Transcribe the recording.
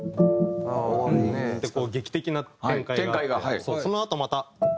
こう劇的な展開があってそのあとまた。